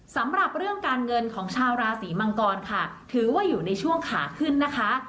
สำหรับเรื่องการเงินของชาวราศีมังกรค่ะถือว่าอยู่ในช่วงขาขึ้นนะคะ